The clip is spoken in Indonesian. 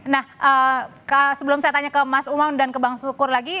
nah sebelum saya tanya ke mas umam dan ke bang sukur lagi